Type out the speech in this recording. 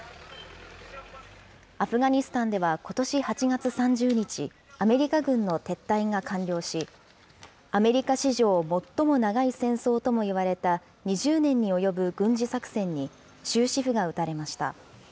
アフガニスタンではことし８月３０日、アメリカ軍の撤退が完了し、アメリカ史上最も長い戦争ともいわれた２０年におよぶ軍事作戦に終止符が打たれました。